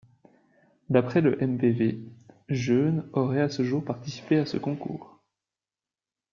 D'après le MpV, jeunes auraient à ce jour participé à ce concours.